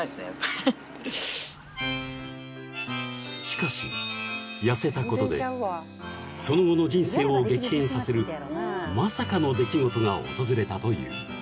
［しかし痩せたことでその後の人生を激変させるまさかの出来事が訪れたという］